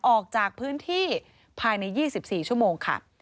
ออกจากพื้นที่ภายใน๒๔ชั่วโมงค่ะ